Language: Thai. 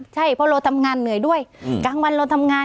ใช่เพราะเราทำงานเหนื่อยด้วยกลางวันเราทำงาน